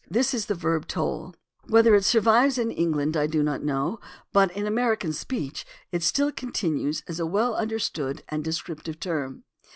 This is the verb to "tole." Whether it survives in England I do not know, but in American speech it still continues a well understood and descriptive term.